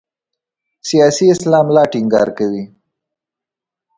سیاسي اسلام لا ټینګار کوي.